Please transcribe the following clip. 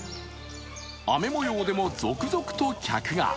雨もようでも続々と客が。